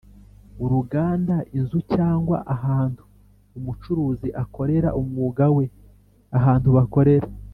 uruganda: inzu cyangwa ahantu umucuzi akorera umwuga we, ahantu bakorera